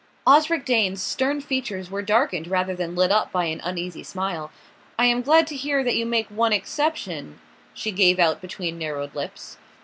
Osric Dane's stern features were darkened rather than lit up by an uneasy smile. "I am glad to hear that you make one exception," she gave out between narrowed lips.